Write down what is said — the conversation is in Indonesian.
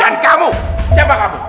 dan kamu siapa kamu